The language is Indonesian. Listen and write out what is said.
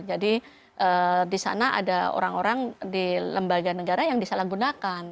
jadi di sana ada orang orang di lembaga negara yang disalahgunakan